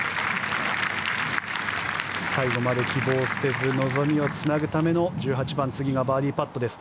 最後まで希望を捨てず望みをつなぐための１８番次がバーディーパットです。